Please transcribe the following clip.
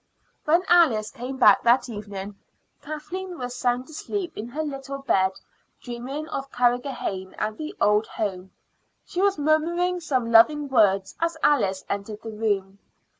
When Alice came back that evening Kathleen was sound asleep in her little bed, dreaming of Carrigrohane and the old home. She was murmuring some loving words as Alice entered the room.